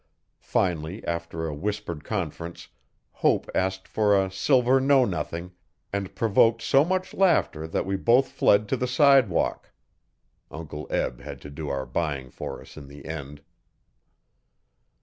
Finally, after a whispered conference, Hope asked for a 'silver no nothing', and provoked so much laughter that we both fled to the sidewalk. Uncle Eb had to do our buying for us in the end.